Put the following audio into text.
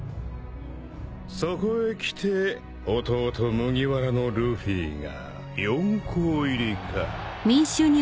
そこへ来て弟麦わらのルフィが四皇入りか。